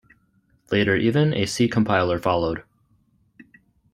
Later even a C compiler followed.